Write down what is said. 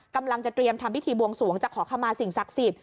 กำลังจะเตรียมทำพิธีบวงสวงจะขอขมาสิ่งศักดิ์สิทธิ